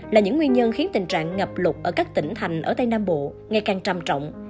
là những nguyên nhân khiến tình trạng ngập lụt ở các tỉnh thành ở tây nam bộ ngày càng trầm trọng